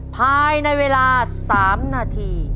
ภายในเวลา๓นาที